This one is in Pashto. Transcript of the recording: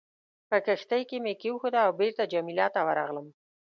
په کښتۍ کې مې کېښوده او بېرته جميله ته ورغلم.